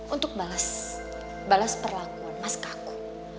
untuk bales bales perlakuan mas ke aku